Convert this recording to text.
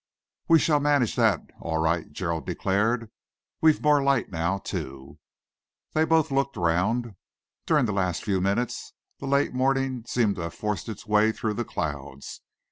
"We shall manage that all right," Gerald declared. "We've more light now, too." They both looked around. During the last few minutes the late morning seemed to have forced its way through the clouds.